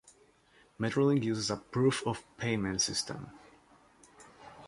MetroLink uses a proof-of-payment system.